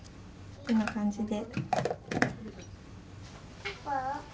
こんな感じで。